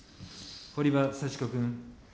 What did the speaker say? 堀場幸子君。